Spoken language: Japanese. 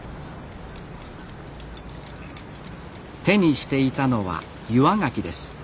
手にしていたのは岩がきです。